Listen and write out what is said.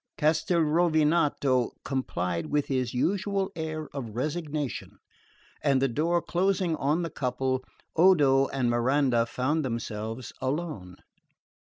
Castelrovinato complied with his usual air of resignation, and the door closing on the couple, Odo and Miranda found themselves alone.